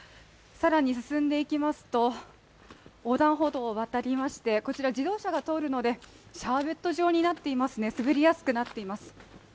更に進んでいきますと、横断歩道を渡りましてこちら自動車が通るのでシャーベット状になっていますね、滑りやすくなっています。